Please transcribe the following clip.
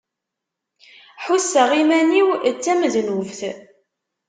Ḥusseɣ iman-iw d tamednubt.